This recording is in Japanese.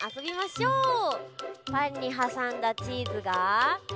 パンにはさんだチーズが。